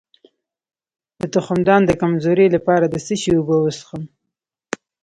د تخمدان د کمزوری لپاره د څه شي اوبه وڅښم؟